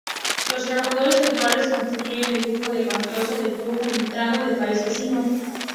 Los trabajadores temporales constituyen el grupo más cuantioso del flujo migratorio al país vecino.